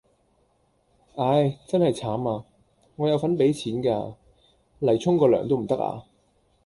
唉，真係慘呀，我有份俾錢㗎，蒞沖個涼都唔得呀